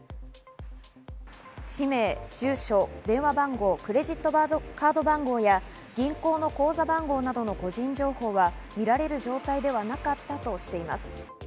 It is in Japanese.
氏名、住所、電話番号、クレジットカード番号や銀行の口座番号などの個人情報は見られる状態ではなかったとしています。